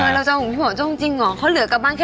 เธอเราจะอ้อกพี่หมอโจ้จริงเขาเหลือกับบ้าน๑๒๐ไอ้ยอร์น่ะ